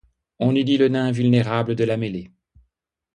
On eût dit le nain invulnérable de la mêlée.